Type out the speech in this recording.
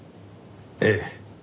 ええ。